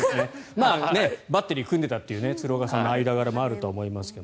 バッテリーを組んでたという鶴岡さんの間柄もあると思いますが。